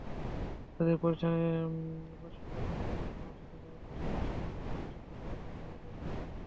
তাঁদের প্রতিষ্ঠানে প্রশিক্ষণরত বর্তমান শিক্ষার্থীদের পাশাপাশি সাবেক শিক্ষার্থীরাও প্রতিযোগিতায় অংশ নেন।